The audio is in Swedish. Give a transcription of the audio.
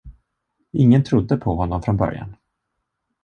Ingen trodde på honom från början.